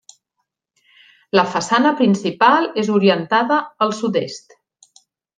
La façana principal és orientada al sud-est.